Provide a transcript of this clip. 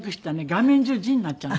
画面中字になっちゃうんですよ。